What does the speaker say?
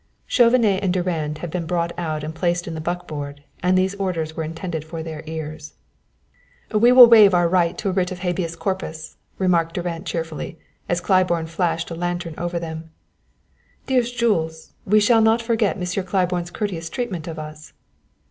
Chauvenet and Durand had been brought out and placed in the buckboard, and these orders were intended for their ears. "We will waive our right to a writ of habeas corpus," remarked Durand cheerfully, as Claiborne flashed a lantern over them. "Dearest Jules, we shall not forget Monsieur Claiborne's courteous treatment of us."